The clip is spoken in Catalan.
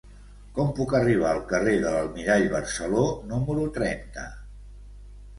Com puc arribar al carrer de l'Almirall Barceló número trenta?